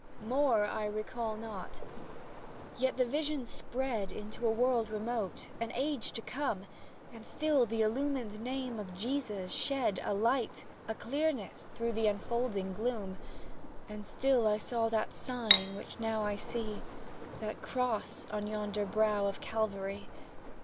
More I recall not, yet the vision spread Into a world remote, an age to come And still the illumined name of Jesus shed A light, a clearness, through the unfolding gloom And still I saw that sign, which now I see, That cross on yonder brow of Calvary.